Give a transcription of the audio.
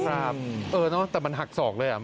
ครับเออเนอะแต่มันหักสอกเลย